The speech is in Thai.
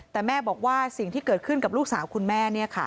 แต่แม่บอกว่าสิ่งที่เกิดขึ้นกับลูกสาวคุณแม่